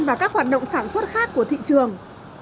và các hoạt động sản xuất khác của thị trường